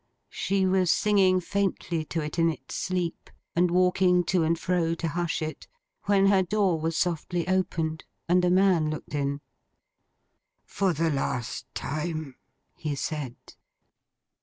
She was singing faintly to it in its sleep, and walking to and fro to hush it, when her door was softly opened, and a man looked in. 'For the last time,' he said.